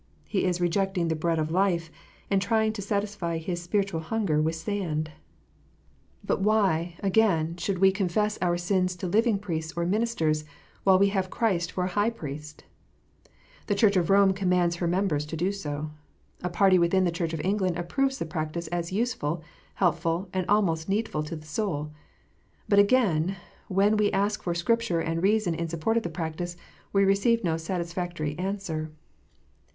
He is rejecting the bread of life, and trying to satisfy his spiritual hunger with sand. CONFESSION. 260 But why, again, should we confess our sins to living priests or ministers, while we have Christ for a High Priest? The Church of Koine commands her members to do so. A party within the Church of England approves the practice as useful, helpful, and almost needful to the soul. But, again, when we ask for Scripture and reason in support of the practice, we receive no satisfactory answer.